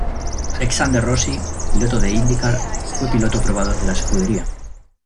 Alexander Rossi, piloto de IndyCar, fue piloto probador de la escudería.